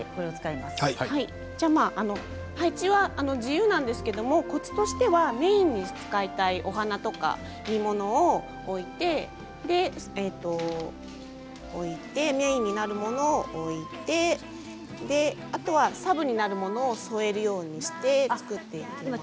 配置は自由なんですがコツはメインに使いたいお花とか実ものを置いてメインになるものを置いてあとはサブになるものを添えるようにして作っていきます。